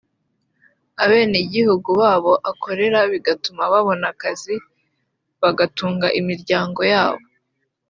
abene gihugu baho akorera bigatuma babona akazi bagatunga n’imiryango yabo